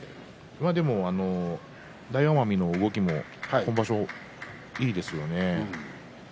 でも大奄美の動きも今場所、いいですよね。